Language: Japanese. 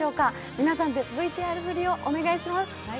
皆さんでＶＴＲ振りをお願いします。